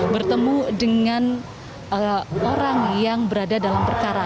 bertemu dengan orang yang berada dalam perkara